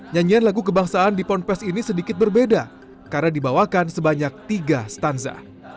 nyanyian lagu kebangsaan di ponpes ini sedikit berbeda karena dibawakan sebanyak tiga stanza